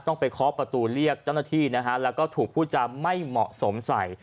ไปเคาะประตูเรียกเจ้าหน้าที่นะฮะแล้วก็ถูกพูดจาไม่เหมาะสมใส่